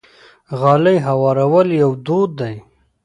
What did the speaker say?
غالۍ هوارول یو دود دی.